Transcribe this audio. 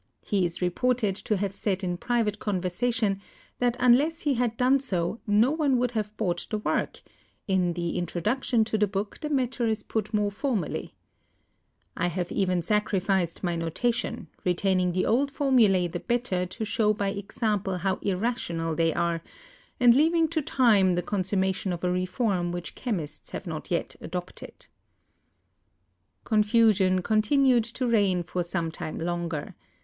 He is reported to have said in private conversation that unless he had done so no one would have bought the work ; in the introduction to the book the matter is put more formally : "I have even sacrificed my notation, retaining the old formulae the better to show by example how irrational they 274 CHEMISTRY are, and leaving to time the consummation of a reform which chemists have not yet adopted." Confusion continued to reign for some time longer.